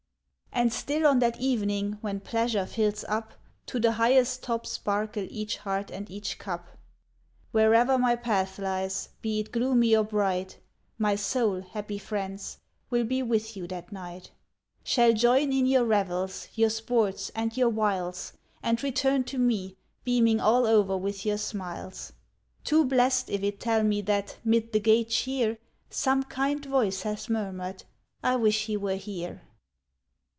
And still on that evening when Pleasure fills up To the highest top sparkle each heart and each cup, Where'er my path lies, be it gloomy or bright, My soul, happy friends! will be with you that night; Shall join in your revels, your sports, and your wiles, And return to me, beaming all o'er with your smiles Too blest if it tell me that, 'mid the gay cheer, Some kind voice has murmured, "I wish he were here!"